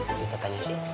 ini katanya sih